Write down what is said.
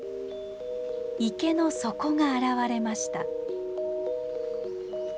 池の底が現れました。